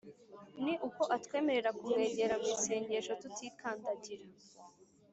ni uko atwemerera kumwegera mu isengesho tutikandagira